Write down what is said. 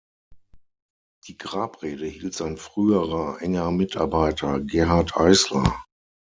Die Grabrede hielt sein früherer enger Mitarbeiter Gerhart Eisler.